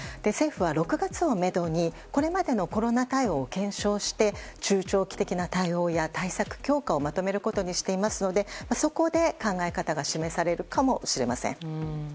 政府は６月をめどにこれまでのコロナ対応を検証して中長期的な対応や対策強化をまとめることにしていますのでそこで考え方が示されるかもしれません。